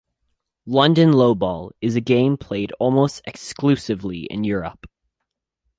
London lowball is a game played almost exclusively in Europe.